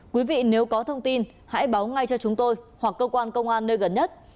quý vị nếu có thông tin hãy báo ngay cho chúng tôi hoặc cơ quan công an nơi gần nhất